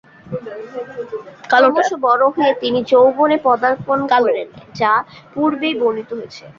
ক্রমশ বড় হয়ে তিনি যৌবনে পদার্পণ করেন, যা পূর্বেই বর্ণিত হয়েছে।